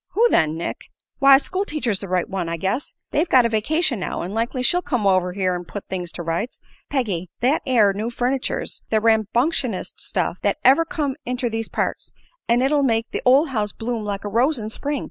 "Who then, Nick?" "Why, school teacher's the right one, I guess. They've got a vacation now, an' likely she'll come over here an' put things to rights. Peggy, that air new furniture's the rambunctionest stuff thet ever come inter these parts, an' it'll make the ol' house bloom like a rose in Spring.